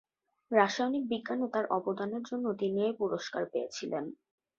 রাসায়নিক বিজ্ঞানে তাঁর অবদানের জন্য তিনি এই পুরস্কার পেয়েছিলেন।